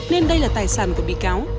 nên đây là tài sản của bị cáo